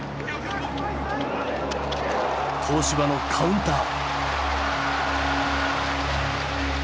東芝のカウンター。